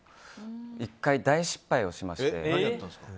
１回大失敗をしまして。